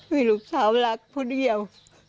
มีลูกเช้ารักพวกเดียว